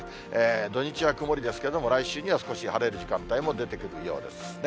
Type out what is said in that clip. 土日は曇りですけれども、来週には少し晴れる時間帯も出てくるようですね。